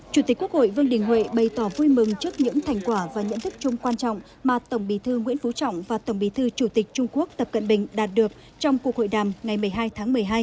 chủ tịch quốc hội vương đình huệ bày tỏ vui mừng trước những thành quả và nhận thức chung quan trọng mà tổng bí thư nguyễn phú trọng và tổng bí thư chủ tịch trung quốc tập cận bình đạt được trong cuộc hội đàm ngày một mươi hai tháng một mươi hai